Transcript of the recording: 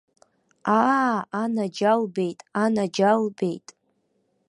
Аа, анаџьалбеит, анаџьалбеит.